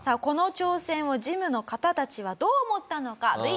この挑戦をジムの方たちはどう思ったのか。